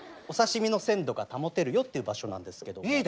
お刺身の鮮度が保てるよっていう場所なんですけども。